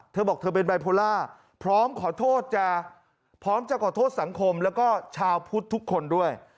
เธอบอกเธอเป็นบริโภลาพร้อมจะขอโทษสังคมแล้วก็ชาวพุทธทุกคนด้วย